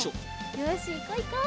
よしいこういこう。